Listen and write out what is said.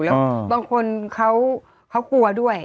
แล้วบางคนเขากลัวด้วย